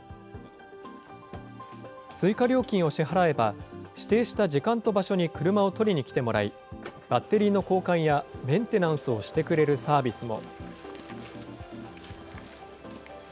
追加料金を支払えば、指定した時間と場所に車を取りに来てもらい、バッテリーの交換やメンテナンスをしてくれるサービスも。